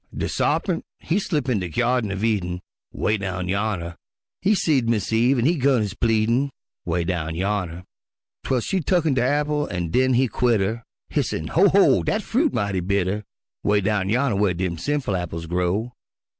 De Sarpint he slip in de Gyardin uv Eden, ('Way down yonner) He seed Mis' Eve an' he 'gun his pleadin', ('Way down yonner) 'Twel she tucken de apple an' den he quit 'er, Hissin', "Ho! ho! dat fruit mighty bitter." 'Way down yonner whar dem sinful apples grow.